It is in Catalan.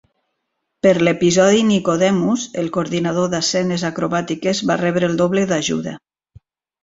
Per l"episodi "Nicodemus", el coordinador d"escenes acrobàtiques va rebre el doble d"ajuda.